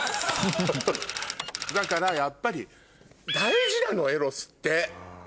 だからやっぱり大事なのエロスって！